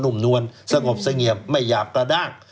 ุ่มนวลสงบเสงี่ยมไม่หยาบกระด้าง